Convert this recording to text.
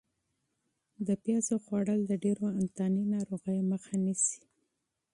د پیازو خوړل د ډېرو انتاني ناروغیو مخه نیسي.